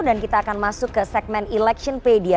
dan kita akan masuk ke segmen electionpedia